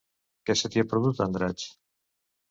Què se t'hi ha perdut, a Andratx?